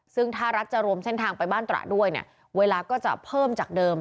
ซึ่งถ้ารัฐจะรวมเส้นทางไปบ้านตระด้วยเนี่ยเวลาก็จะเพิ่มจากเดิม